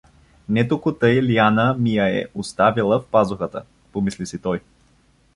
„Не току-тъй Лиана ми я е оставила в пазухата“ — помисли си той.